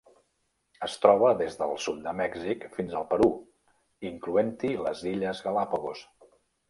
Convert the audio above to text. Es troba des del sud de Mèxic fins al Perú, incloent-hi les Illes Galápagos.